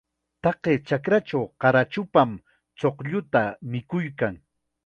Taqay chakrachaw qarachupam chuqlluta mikuykan.